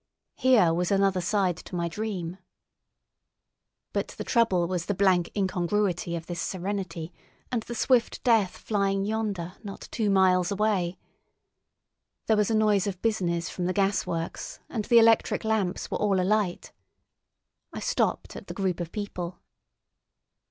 Here was another side to my dream. But the trouble was the blank incongruity of this serenity and the swift death flying yonder, not two miles away. There was a noise of business from the gasworks, and the electric lamps were all alight. I stopped at the group of people.